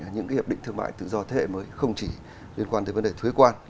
những hiệp định thương mại tự do thế hệ mới không chỉ liên quan tới vấn đề thuế quan